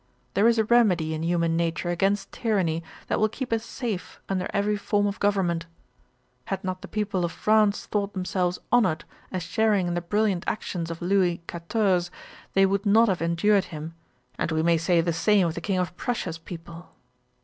There is a remedy in human nature against tyranny, that will keep us safe under every form of government. Had not the people of France thought themselves honoured as sharing in the brilliant actions of Lewis XIV, they would not have endured him; and we may say the same of the King of Prussia's people.'